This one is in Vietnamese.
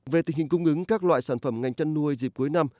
về tình hình cung ứng các loại sản phẩm ngành chăn nuôi dịp cuối năm